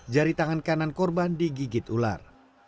jari tangan kanan korban digigit ular